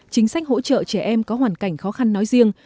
chính sách hỗ trợ trẻ em có hoàn cảnh khó khăn nói riêng